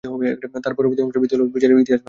তার পরবর্তী অংশের ভিত্তি হল বিরযালীর ইতিহাস গ্রন্থ।